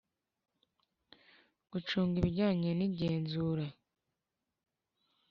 Gucunga ibijyanye n igenzura